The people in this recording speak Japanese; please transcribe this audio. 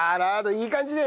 いい感じ？